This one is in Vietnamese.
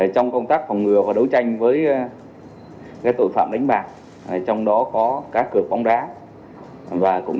trong công tác phòng ngừa và đấu tranh với tội phạm đánh bạc trong đó có cá cược bóng đá và cũng